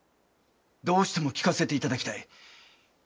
どうしても聞かせて頂きたい。